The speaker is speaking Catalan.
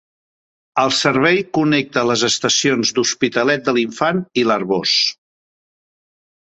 El servei connecta les estacions d'Hospitalet de l'Infant i l'Arboç.